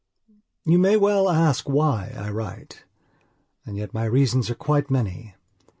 You may well ask why I write. And yet my reasons are quite many.